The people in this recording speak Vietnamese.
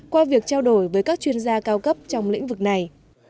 qua việc trao đổi với các chuyên gia cao cấp trong lĩnh vực này